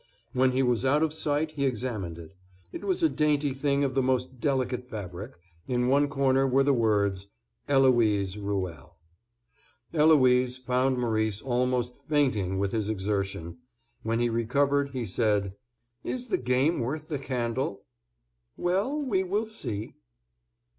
When he was out of sight he examined it. It was a dainty thing of the most delicate fabric; in one corner were the words, "Eloise Ruelle." Eloise found Maurice almost fainting with his exertion. When he recovered, he said— "Is the game worth the candle?" "Well, we will see."